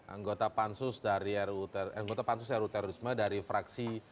anggota pansus ru terorisme dari fraksi